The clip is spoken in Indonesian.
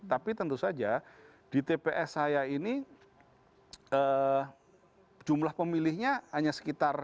tapi tentu saja di tps saya ini jumlah pemilihnya hanya sekitar